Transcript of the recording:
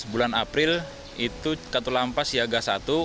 dua ribu sembilan belas bulan april itu katulampas siaga satu